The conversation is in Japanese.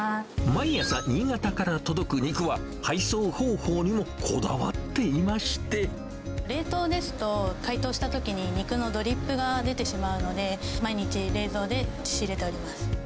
毎朝、新潟から届く肉は、冷凍ですと、解凍したときに、肉のドリップが出てしまうので、毎日、冷蔵で仕入れております。